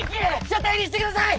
舎弟にしてください！